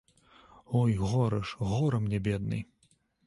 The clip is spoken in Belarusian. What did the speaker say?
Ой, гора ж, гора мне, беднай!